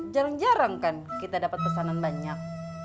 jarang jarang kan kita dapat pesanan banyak